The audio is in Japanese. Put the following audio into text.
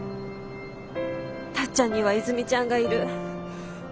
タッちゃんには和泉ちゃんがいる。